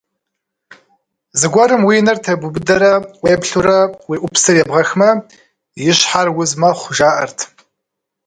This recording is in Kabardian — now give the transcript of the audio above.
Зыгуэрым уи нэр тебубыдэрэ уеплъурэ уи ӏупсыр ебгъэхмэ, и щхьэр уз мэхъу, жаӏэрт.